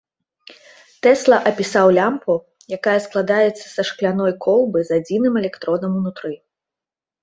Тэсла апісаў лямпу, якая складаецца са шкляной колбы з адзіным электродам унутры.